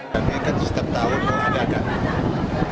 kami kasih tertawin kepada anak anak